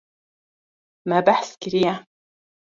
Me behs kiriye.